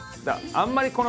あんまりこのなあ？